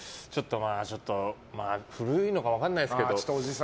ちょっとまあ古いのか分かんないですけど。